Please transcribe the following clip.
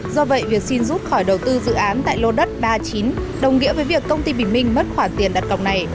do vậy việc xin rút khỏi đầu tư dự án tại lô đất ba mươi chín đồng nghĩa với việc công ty bình minh mất khoản tiền đặt cọc này